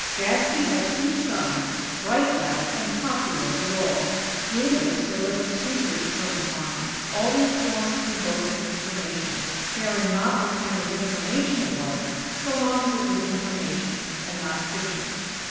Gadsby had two sons; bright lads and popular with all. Julius was of a studious turn of mind, always poring through books of information; caring not what kind of information it was, so long as it was information, and not fiction.